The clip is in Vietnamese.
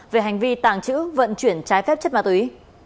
về hành vi tàng trữ vận chuyển trái phép chất ma túy